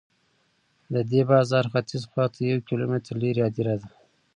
د دې بازار ختیځ خواته یو کیلومتر لرې هدیره ده.